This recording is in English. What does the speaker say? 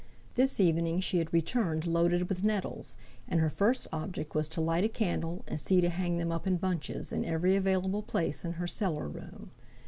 This evening she had returned loaded with nettles, and her first object was to light a candle and see to hang them up in bunches in every available place in her cellar room.